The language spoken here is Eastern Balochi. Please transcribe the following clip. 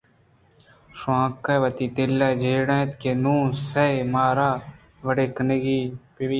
شوٛانگ وتی دل ءَ جیڑ یت کہ نوں سیہ مار ءَ وڑے کنگ بہ بیت